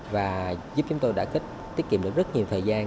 và giúp chúng tôi đã tiết kiệm được rất nhiều thời gian